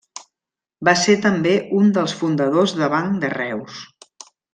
Va ser també un dels fundadors de Banc de Reus.